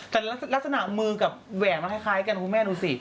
แต่ลักษณะมือกับแหวนมันคล้ายกันคุณแม่ดูสิ